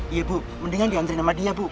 iya bu mendingan diantri sama dia bu